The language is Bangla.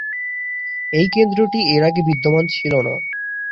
এই কেন্দ্রটি এর আগে বিদ্যমান ছিল না।